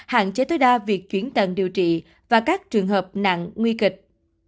hạn chế tối đa việc chuyển tận điều trị và các trường hợp nặng nguy kịch